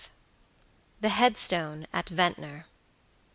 THE HEADSTONE AT VENTNOR.